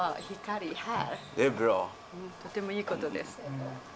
とてもいいことです。